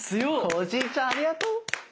おじいちゃんありがとう。